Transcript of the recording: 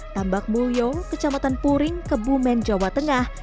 tambak mulyo kecamatan puring kebumen jawa tengah